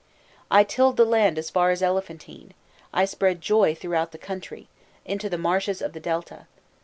"I tilled the land as far as Elephantine, I spread joy throughout the country, unto the marshes of the Delta.